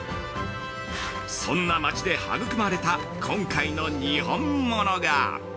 そんな町で育まれた今回のにほんものが◆